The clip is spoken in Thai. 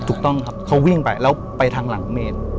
ถูกต้องครับเขาวิ่งไปแล้วไปทางหลังเมน